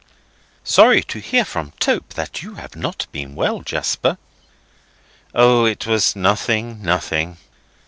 "Sorry to hear from Tope that you have not been well, Jasper." "O, it was nothing, nothing!"